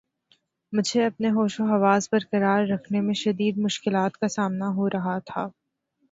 مجھے اپنے ہوش و حواس بر قرار رکھنے میں شدید مشکلات کا سامنا ہو رہا تھا